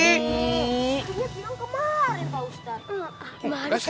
ini bilang kemarin pak ustadz